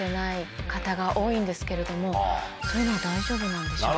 そういうのは大丈夫なんでしょうか？